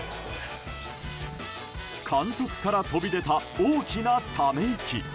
監督から飛び出た大きなため息。